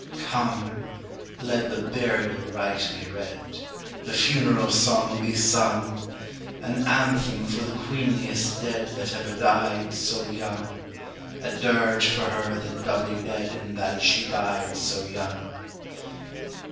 Come! let the burial rite be read the funeral song be sung! An anthem for the queenliest dead that ever died so young A dirge for her the doubly dead in that she died so young.